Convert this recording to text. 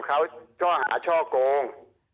เขาเจ้าหาช่อโกง